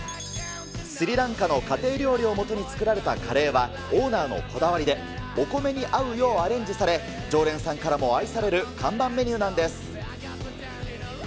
スリランカの家庭料理をもとに作られたカレーは、オーナーのこだわりで、お米に合うようアレンジされ、常連さんからも愛される看板メニューなんです。